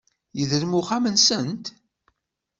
Yedrem uxxam-nsent.